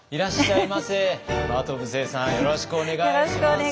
よろしくお願いします。